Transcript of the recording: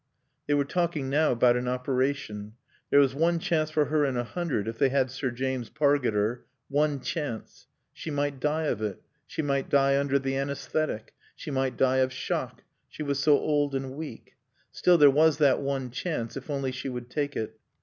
They were talking now about an operation. There was one chance for her in a hundred if they had Sir James Pargeter: one chance. She might die of it; she might die under the anæsthetic; she might die of shock; she was so old and weak. Still, there was that one chance, if only she would take it.